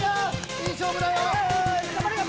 いい勝負だよ。